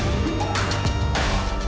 main di j mobile